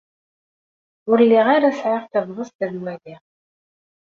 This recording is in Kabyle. Ur lliɣ ara sɛiɣ tabɣest ad waliɣ.